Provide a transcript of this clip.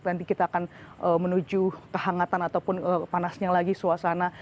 nanti kita akan menuju kehangatan ataupun panasnya lagi suasana